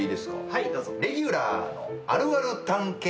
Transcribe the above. はいどうぞ。